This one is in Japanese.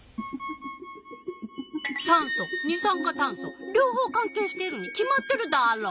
酸素二酸化炭素両方関係しているに決まってるダーロ！